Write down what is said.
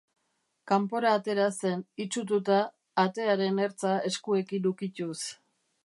Kanpora atera zen, itsututa, atearen ertza eskuekin ukituz.